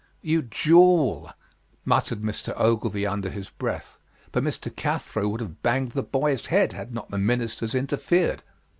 "You jewel!" muttered Mr. Ogilvy under his breath, but Mr. Cathro would have banged the boy's head had not the ministers interfered.